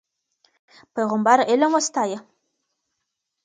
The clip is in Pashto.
پیغمبر علم وستایه.